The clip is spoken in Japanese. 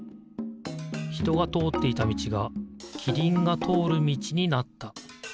ひとがとおっていたみちがキリンがとおるみちになった。